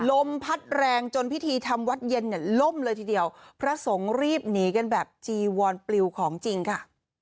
ลมพัดแรงจนพิธีทำวัดเย็นเนี่ยล่มเลยทีเดียวพระสงฆ์รีบหนีกันแบบจีวอนปลิวของจริงค่ะ